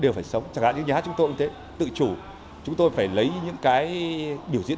đều phải sống chẳng hạn như nhà hát chúng tôi cũng tự chủ chúng tôi phải lấy những cái biểu diễn